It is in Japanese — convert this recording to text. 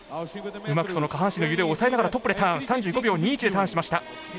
うまく、その下半身の揺れを抑えながら３５秒２１でターンしました。